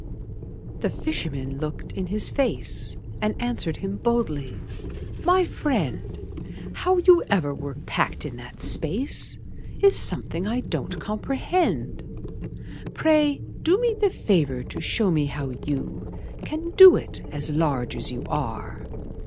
The fisherman looked in his face, And answered him boldly: "My friend, How you ever were packed in that space Is something I don't comprehend. Pray do me the favor to show me how you Can do it, as large as you are."